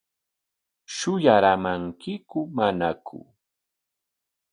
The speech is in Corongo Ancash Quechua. ¿Shuyaraamankiku manaku?